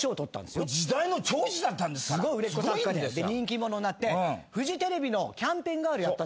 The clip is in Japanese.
人気者になってフジテレビのキャンペーンガールやってたんです。